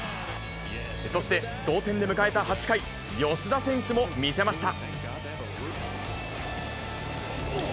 そして、同点で迎えた８回、吉田選手も見せました。